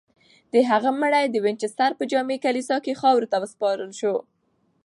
د هغې مړی د وینچسټر په جامع کلیسا کې خاورو ته وسپارل شو.